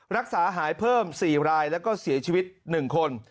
รักษาหายเพิ่ม๔รายแล้วก็เสียชีวิต๑คน